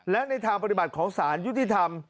และในทางปฏิบัติของสารยุติธรรม